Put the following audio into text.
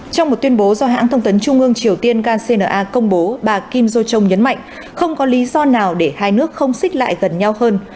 trong một tuyên bố do hãng thông tấn trung ương triều tiên kcna công bố bà kim do chong nhấn mạnh không có lý do nào để hai nước không xích lại gần nhau hơn